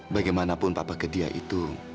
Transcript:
bagaimanapun papa ke dia itu